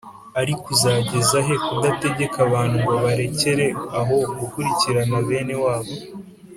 Ariko uzageza he kudategeka abantu ngo barekere aho gukurikirana bene wabo?”